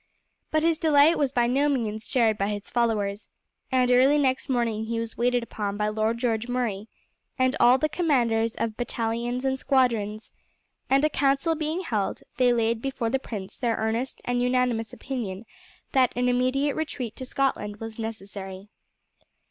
But his delight was by no means shared by his followers, and early next morning he was waited upon by Lord George Murray and all the commanders of battalions and squadrons, and a council being held, they laid before the prince their earnest and unanimous opinion that an immediate retreat to Scotland was necessary.